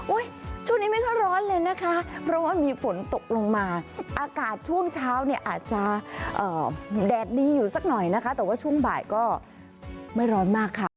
ช่วงนี้ไม่ค่อยร้อนเลยนะคะเพราะว่ามีฝนตกลงมาอากาศช่วงเช้าเนี่ยอาจจะแดดดีอยู่สักหน่อยนะคะแต่ว่าช่วงบ่ายก็ไม่ร้อนมากค่ะ